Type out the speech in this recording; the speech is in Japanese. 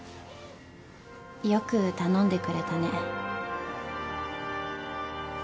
よく頼んでくれたね。